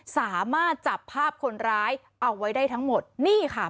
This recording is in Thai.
สามารถจับภาพคนร้ายเอาไว้ได้ทั้งหมดนี่ค่ะ